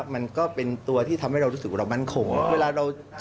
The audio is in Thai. ไม่ต่อกันแล้ว